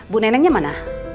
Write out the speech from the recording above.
bu nenengnya mana